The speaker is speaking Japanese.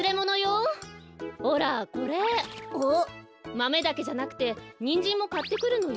マメだけじゃなくてニンジンもかってくるのよ。